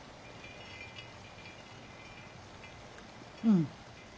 うん。